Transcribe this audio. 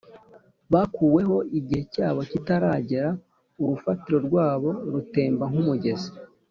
bakuweho igihe cyabo kitaragera, urufatiro rwabo rutemba nk’umugezi